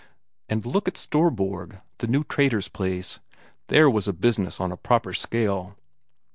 And look at Storborg, the new trader's place there was a business on a proper scale!